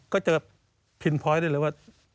ก็จะพิมพ์พอยต์ได้เลยว่า